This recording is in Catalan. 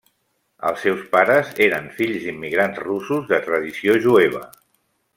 Els seus pares eren fills d'immigrants russos de tradició jueva.